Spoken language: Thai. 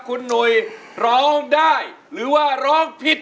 คุณหนุ่ยร้องได้หรือว่าร้องผิด